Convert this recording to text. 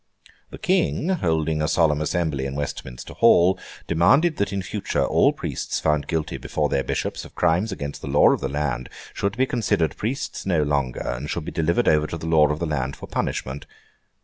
The King, holding a solemn assembly in Westminster Hall, demanded that in future all priests found guilty before their Bishops of crimes against the law of the land should be considered priests no longer, and should be delivered over to the law of the land for punishment.